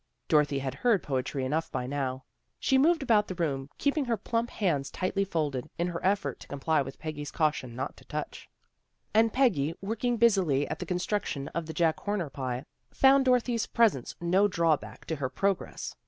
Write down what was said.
Dorothy had heard poetry enough by now. She moved about the room, keeping her plump hands tightly folded, in her effort to comply CHRISTMAS PREPARATIONS 177 with Peggy's caution not to touch. And Peggy, working busily at the construction of the Jack Horner pie, found Dorothy's presence no draw back to her progress.